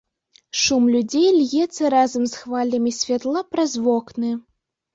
Шум людзей льецца разам з хвалямі святла праз вокны.